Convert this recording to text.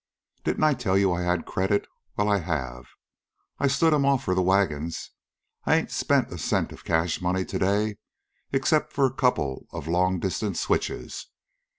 "Didn't I tell you I had credit? Well, I have. I stood 'm off for them wagons. I ain't spent a cent of cash money to day except for a couple of long distance switches.